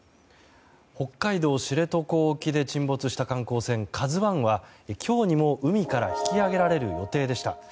北海道知床沖で沈没した観光船「ＫＡＺＵ１」は今日にも海から引き揚げられる予定でした。